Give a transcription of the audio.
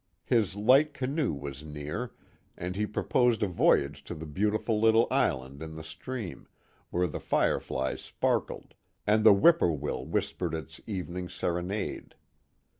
His light canoe was near, and he proposed a voyage to a beautiful little island in the stream, where the Itre tliei Eparlcled and the whippoorwill whispered its evening serenade.